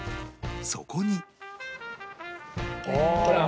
そこに